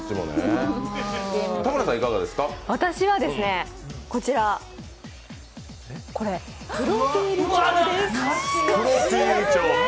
私は、こちらこれ、プロフィール帳です。